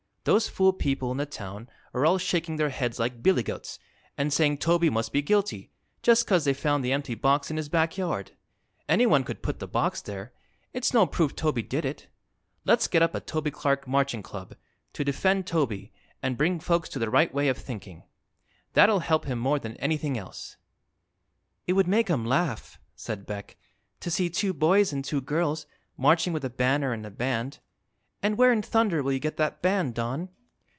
"Those fool people in the town are all shaking their heads like billygoats and saying Toby must be guilty, just 'cause they found the empty box in his back yard. Anyone could put the box there; it's no proof Toby did it. Let's get up a Toby Clark Marching Club, to defend Toby and bring folks to the right way of thinking. That'll help him more than anything else." "It would make 'em laugh," said Beck, "to see two boys and two girls marching with a banner and a band. And where in thunder will you get that band, Don?"